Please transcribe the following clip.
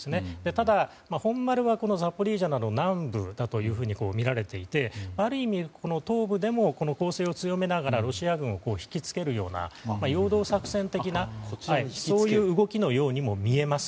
ただ、本丸はザポリージャなど南部だとみられていてある意味、東部でも攻勢を強めながらロシア軍を引き付けるような陽動作戦的な動きのようにも見えます。